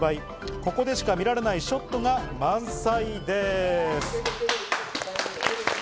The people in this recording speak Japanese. ここでしか見られないショットが満載です。